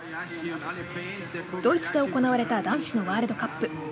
ドイツで行われた男子のワールドカップ。